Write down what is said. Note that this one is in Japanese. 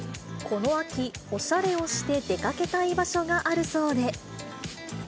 この秋、おしゃれをして出かけたい場所があるそうで。